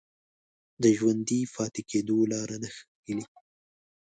د ژوندي پاتې کېدو لاره نه ښييلې